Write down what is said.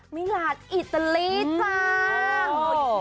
มิลานอิตาลีจ้า